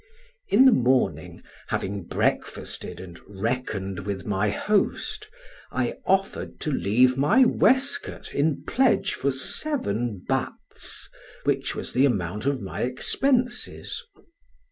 In the morning, having breakfasted and reckoned with my host, I offered to leave my waistcoat in pledge for seven batz, which was the amount of my expenses.